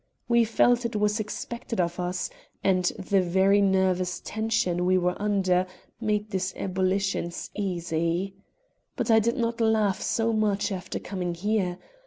We felt it was expected of us, and the very nervous tension we were under made these ebullitions easy. But I did not laugh so much after coming here.